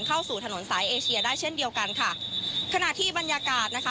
เข้าสู่ถนนสายเอเชียได้เช่นเดียวกันค่ะขณะที่บรรยากาศนะคะ